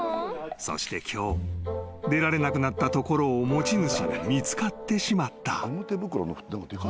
［そして今日出られなくなったところを持ち主に見つかってしまった］